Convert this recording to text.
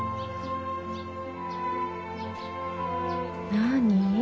何？